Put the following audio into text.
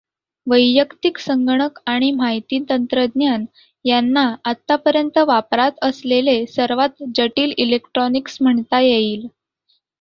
वैयक्तिक संगणक आणि माहिती तंत्रज्ञान यांना आतापर्यंत वापरात असलेले सर्वात जटिल इलेक्ट्रॉनिक्स म्हणता येईल.